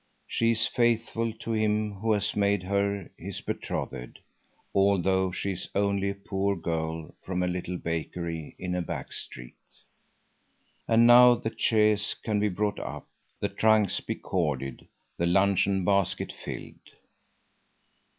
She is faithful to him who has made her his betrothed, although she is only a poor girl from a little bakery in a back street. And now the chaise can be brought up, the trunks be corded, the luncheon basket filled.